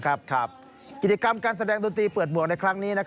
กิจกรรมการแสดงดนตรีเปิดหมวกในครั้งนี้